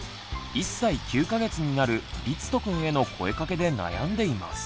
１歳９か月になるりつとくんへの声かけで悩んでいます。